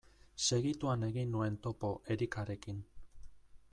Segituan egin nuen topo Erikarekin.